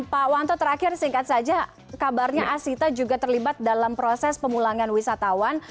pak wanto terakhir singkat saja kabarnya asita juga terlibat dalam proses pemulangan wisatawan